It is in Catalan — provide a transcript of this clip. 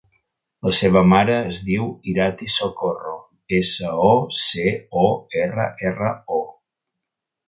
La meva mare es diu Irati Socorro: essa, o, ce, o, erra, erra, o.